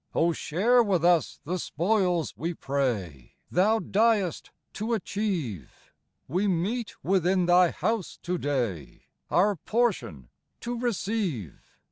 O share with us the spoils, we pray, Thou diedst to achieve ; We meet within Thy house to day, Our portion to receive.